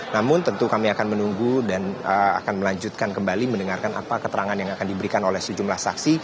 namun tentu kami akan menunggu dan akan melanjutkan kembali mendengarkan apa keterangan yang akan diberikan oleh sejumlah saksi